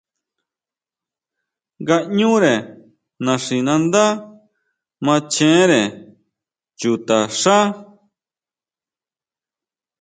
Ngaʼñure naxinándá machenre chuta xá.